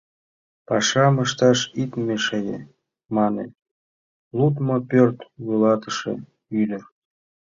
Пашам ышташ ит мешае! — мане лудмо пӧрт вуйлатыше ӱдыр.